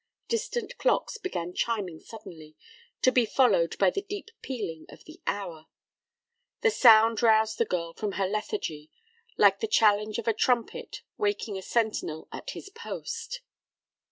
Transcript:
Distant clocks began chiming suddenly, to be followed by the deep pealing of the hour. The sound roused the girl from her lethargy, like the challenge of a trumpet waking a sentinel at his post.